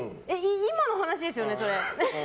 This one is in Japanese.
今の話ですよね、それ。